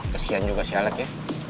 kesian juga si alex ya